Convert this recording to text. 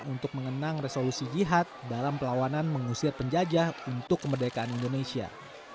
untuk mengenang resolusi jihad dalam pelawanan mengusir penjajah untuk kemerdekaan indonesia